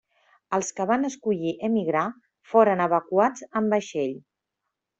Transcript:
Els que van escollir emigrar foren evacuats en vaixell.